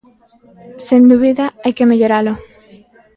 Sen dúbida, hai que melloralo.